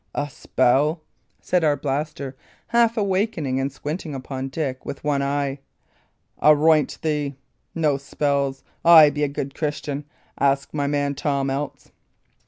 "A spell!" said Arblaster, half awakening, and squinting upon Dick with one eye. "Aroint thee! no spells! I be a good Christian. Ask my man Tom, else."